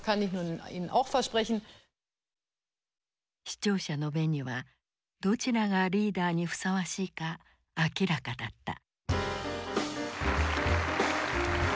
視聴者の目にはどちらがリーダーにふさわしいか明らかだった。